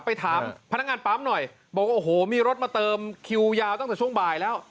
ไปถามพนักงานปั๊มหน่อยบอกว่าโอ้โหมีรถมาเติมคิวยาวตั้งแต่ช่วงบ่ายแล้ว